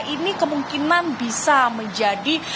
ini kemungkinan bisa menjadi